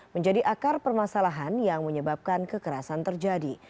menjadi akar permasalahan yang menyebabkan kekerasan terjadi